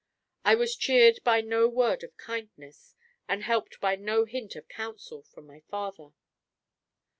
I was cheered by no word of kindness and helped by no hint of counsel from my father.